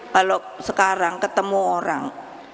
kalau sekarang ketemu orang